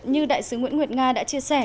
như đại sứ nguyễn nguyệt nga đã chia sẻ